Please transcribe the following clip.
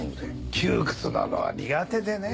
窮屈なのは苦手でね。